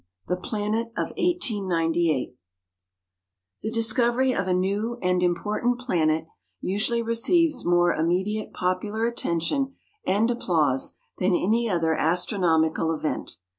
THE PLANET OF 1898 The discovery of a new and important planet usually receives more immediate popular attention and applause than any other astronomical event.